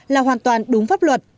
là hoàn toàn đúng pháp luật